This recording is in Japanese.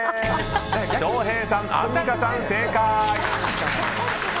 翔平さん、アンミカさん、正解。